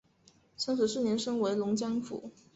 三十四年升为龙江府。